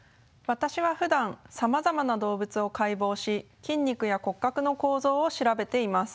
私はふだんさまざまな動物を解剖し筋肉や骨格の構造を調べています。